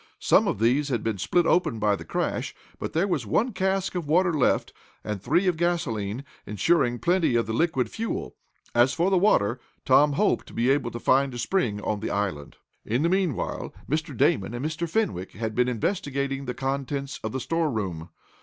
Some of these had been split open by the crash, but there was one cask of water left, and three of gasolene, insuring plenty of the liquid fuel. As for the water, Tom hoped to be able to find a spring on the island. In the meanwhile, Mr. Damon and Mr. Fenwick had been investigating the contents of the storeroom.